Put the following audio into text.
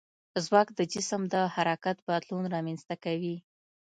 ځواک د جسم د حرکت بدلون رامنځته کوي.